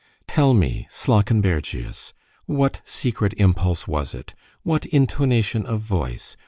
—Tell me, Slawkenbergius! what secret impulse was it? what intonation of voice?